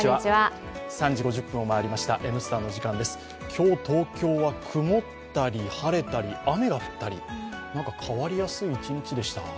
今日、東京は曇ったり晴れたり、雨が降ったり、なんか変わりやすい一日でした。